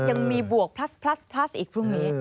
ยังมีบวกพลัสพลัสอีกพรุ่งนี้